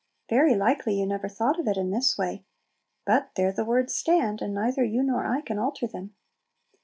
Very likely you never thought of it in this way, but there the words stand, and neither you nor I can alter them.